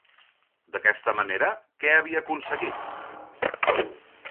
D'aquesta manera, què havia aconseguit?